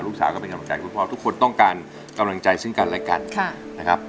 ก็เป็นกำลังใจคุณพ่อทุกคนต้องการกำลังใจซึ่งกันและกันนะครับ